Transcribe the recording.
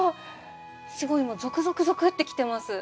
今ゾクゾクゾクって来てます。